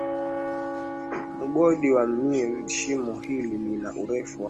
Mgodi wa Mirny Shimo hili lina urefu wa